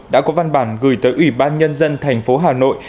đã có văn bản gửi tới ủy ban nhân dân thành phố hà nội